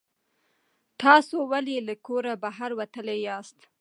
تاسو ولې له کوره بهر وتلي یاست؟